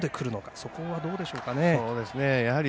そこはどうでしょう？